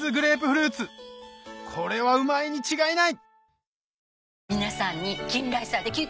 これはうまいに違いない！